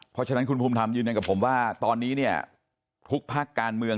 เพราะฉะนั้นคุณภูมิธรรมยืนยันกับผมว่าตอนนี้เนี่ยทุกภาคการเมือง